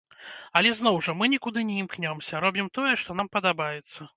Але зноў жа, мы нікуды не імкнёмся, робім тое, што нам падабаецца.